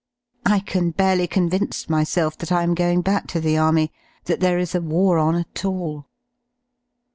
I can barely convince myself that I am going back to the Army — that there is a war on at all.